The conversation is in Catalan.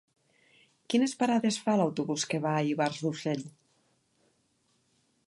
Quines parades fa l'autobús que va a Ivars d'Urgell?